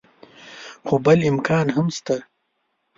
خو بل امکان هم شته.